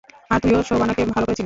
আর তুইও শোবানাকে ভালো করে চিনিস।